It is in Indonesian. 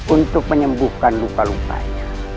untuk menyembuhkan lupa lupanya